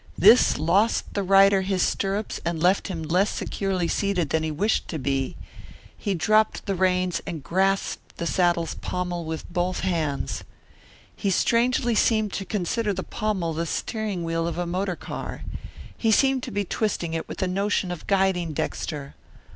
This lost the rider his stirrups and left him less securely seated than he wished to be. He dropped the reins and grasped the saddle's pommel with both hands. He strangely seemed to consider the pommel the steering wheel of a motor car. He seemed to be twisting it with the notion of guiding Dexter.